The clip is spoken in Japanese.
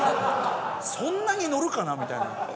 そんなにノるかな？みたいな。